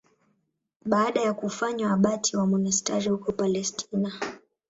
Baada ya kufanywa abati wa monasteri huko Palestina.